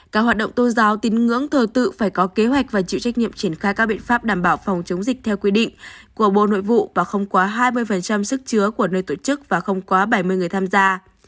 các hoạt động tôn giáo tín ngưỡng thờ tự phải có kế hoạch và chịu trách nhiệm triển khai các biện pháp đảm bảo phòng chống dịch theo quy định của bộ nội vụ và không quá hai mươi sức chứa của nơi tổ chức và không quá bảy mươi người tham gia